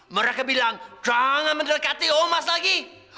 mereka bilang jangan mendekati omas lagi